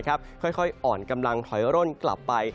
ค่อยอ่อนกำลังถอยร่นกลับไป